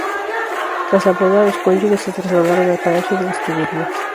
Tras la boda, los cónyuges se trasladaron al Palacio de las Tullerías.